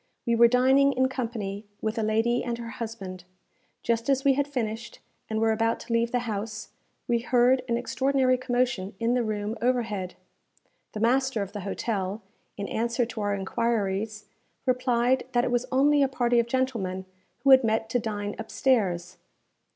We were dining in company with a lady and her husband. Just as we had finished, and were about to leave the house, we heard an extraordinary commotion in the room overhead. The master of the hotel, in answer to our enquiries, replied that it was only a party of gentlemen who had met to dine upstairs.